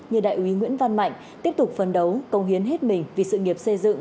như đại úy nguyễn văn mạnh tiếp tục phấn đấu công hiến hết nguyên